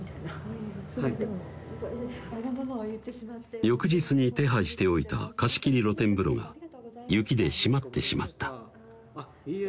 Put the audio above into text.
はい翌日に手配しておいた貸し切り露天風呂が雪で閉まってしまったいいえ